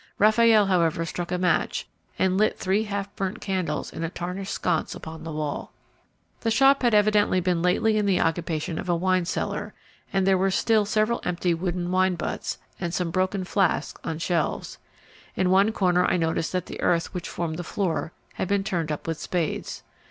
Raffaelle, however, struck a match and lit three half burnt candles in a tarnished sconce upon the wall. The shop had evidently been lately in the occupation of a wine seller, and there were still several empty wooden wine butts, and some broken flasks on shelves. In one corner I noticed that the earth which formed the floor had been turned up with spades.